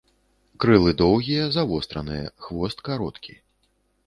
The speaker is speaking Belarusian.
Крылы доўгія, завостраныя, хвост кароткі.